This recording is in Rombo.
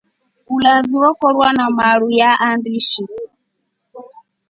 Ulavi wekorwa na maru andishi.